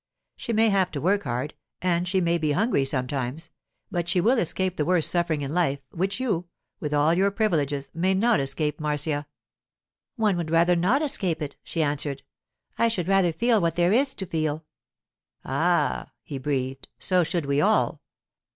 She may have to work hard, and she may be hungry sometimes, but she will escape the worst suffering in life, which you, with all your privileges, may not escape, Marcia.' 'One would rather not escape it,' she answered. 'I should rather feel what there is to feel.' 'Ah!' he breathed, 'so should we all!